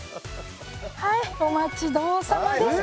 はいお待ち遠さまです。